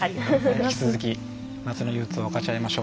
引き続き夏の憂うつを分かち合いましょう。